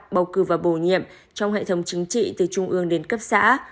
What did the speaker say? bầu cử và bổ nhiệm trong hệ thống chính trị từ trung ương đến cấp xã